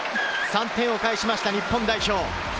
３点を返した日本代表。